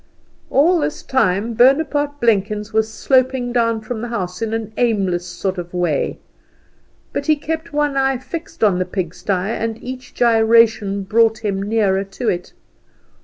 All this time Bonaparte Blenkins was sloping down from the house in an aimless sort of way; but he kept one eye fixed on the pigsty, and each gyration brought him nearer to it.